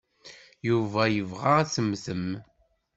Yuba yebɣa ad temmtem.